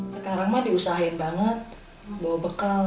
sekarang diusahakan banget bawa bekal